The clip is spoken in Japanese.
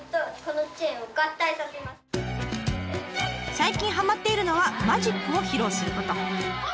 最近はまっているのはマジックを披露すること。